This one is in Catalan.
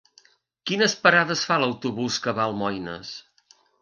Quines parades fa l'autobús que va a Almoines?